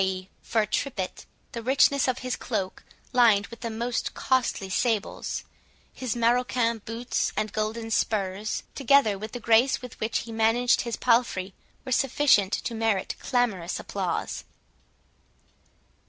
e. fur tippet,) the richness of his cloak, lined with the most costly sables, his maroquin boots and golden spurs, together with the grace with which he managed his palfrey, were sufficient to merit clamorous applause.